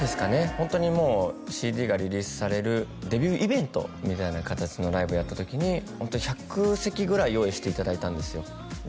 ホントにもうＣＤがリリースされるデビューイベントみたいな形のライブやった時にホントに１００席ぐらい用意していただいたんですよ